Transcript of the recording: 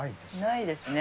ないですね。